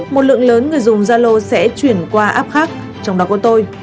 một lượng lớn người dùng zalo sẽ chuyển qua app khác trong đó có tôi